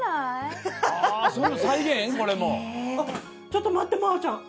ちょっと待ってまーちゃん。